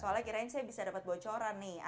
soalnya kirain saya bisa dapat bocoran nih